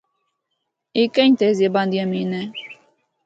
اے کئی تہذیباں دی امین ہے۔